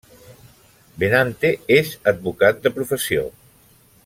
Benante és advocat de professió.